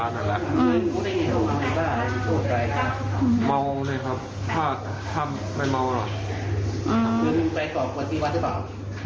ผมไปได้๒วัน